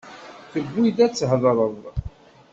Tewwi-d ad tḥadreḍ.